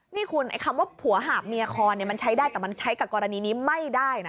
นี่คุณไอ้คำว่าผัวหาบเมียคอมันใช้ได้แต่มันใช้กับกรณีนี้ไม่ได้นะ